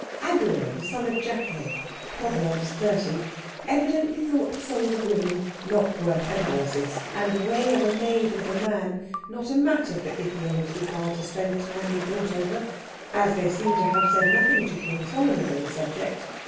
Agur, the son of Jakeh (Prov. xxx.), evidently thought the souls of women not worth analysis, and the way of a maid with a man not a matter for Ithiel and Ucal to spend time and thought over, as they seem to have said nothing to King Solomon on the subject.